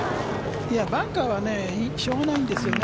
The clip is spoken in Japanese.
バンカーはしょうがないんですよね。